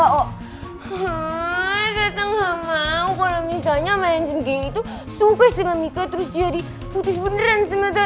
heeeey tata gak mau kalo misalnya mansum gary itu suka sama mika terus jadi putus beneran sama tata